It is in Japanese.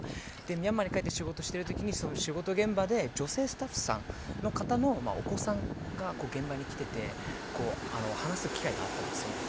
ミャンマーに帰って仕事してる時に仕事現場で、女性スタッフさんのお子さんが現場に来てて話す機会があったんですね。